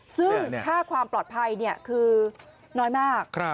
ซึ่งค่าความปลอดภัยคือน้อยมาก